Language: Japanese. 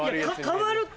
代わるって！